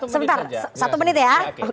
sebentar satu menit ya